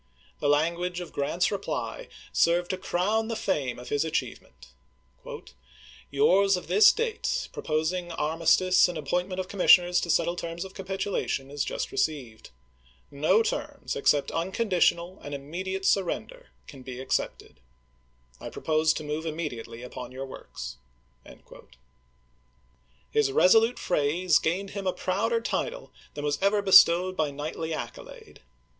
The language of Grant's reply served to crown the fame of his achievement :" Yours of this date, proposing ar mistice and appointment of commissioners to settle terms of capitulation, is just received. No terms except unconditional and immediate surrender can Buctalr, be accepted. I propose to move immediately upon i862^'''w r. your works." His resolute phrase gained him a p.' lei. " prouder title than was ever bestowed by knightly accolade.